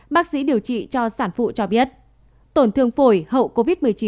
bác sĩ điều trị cho sản phụ cho biết tổn thương phổi hậu covid một mươi chín